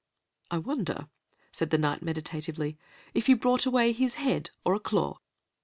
"I wonder," said the Knight meditatively, "if you brought away his head or a claw?"